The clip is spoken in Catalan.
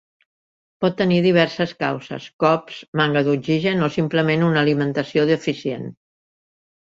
Pot tenir diverses causes: cops, manca d'oxigen o simplement una alimentació deficient.